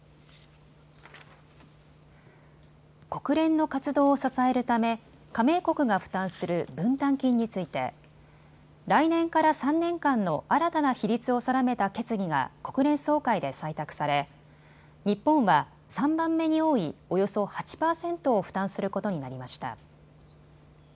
国連の活動を支えるため加盟国が負担する分担金について来年から３年間の新たな比率を定めた決議が国連総会で採択され日本は３番目に多いおよそ８％を負担することになりました。